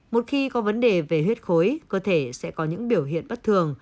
một khi có vấn đề về huyết khối cơ thể sẽ có những biểu hiện bất thường